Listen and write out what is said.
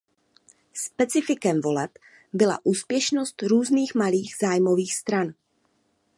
Specifikem voleb byla úspěšnost různých malých zájmových stran.